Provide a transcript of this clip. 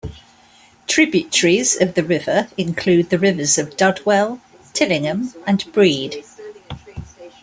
Tributaries of the river include the Rivers Dudwell, Tillingham and Brede.